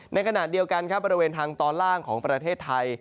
ในขณะเดียวกันครับบริเวณทางตอนล่างของประเทศไทย